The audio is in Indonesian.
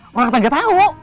orang kata gak tau